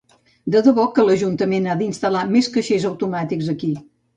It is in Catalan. De debò que l'ajuntament ha d'instal·lar més caixers automàtics aquí.